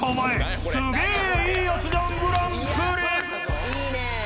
いいね！